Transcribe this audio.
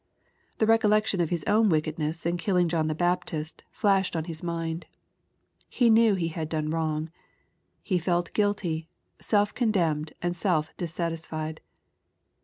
The recollection of his own wickedness in killing John the Baptist flashed on his mind. He knew he had done wrong. He felt guilty, self condemned, and self dissatisfied.